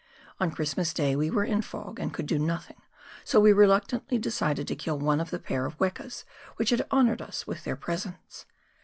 On Christmas Day we were in fog and could do nothing, so we reluctantly decided to kill one of the pair of wekas which had honoured us with their presence.